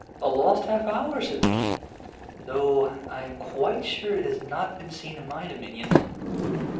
"A lost half hour?" said the King. "No, I am quite sure it has not been seen in my dominions.